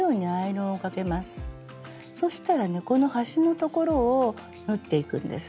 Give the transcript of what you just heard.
そしたらねこの端の所を縫っていくんです。